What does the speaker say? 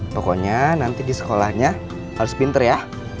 pokoknya nanti di sekolahnya harus pinter ya